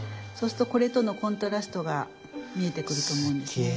そうするとこれとのコントラストが見えてくると思うんですね。